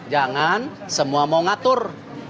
jangan semua mau mengatur